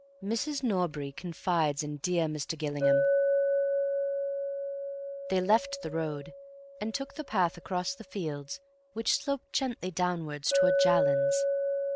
Mrs. Norbury Confides in Dear Mr. Gillingham They left the road, and took the path across the fields which sloped gently downwards towards Jallands.